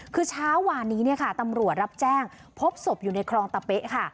คือเช้าวานนี้เนี่ยค่ะตำรวจรับแจ้งพบศพอยู่ในคลองตะเป๊ะค่ะ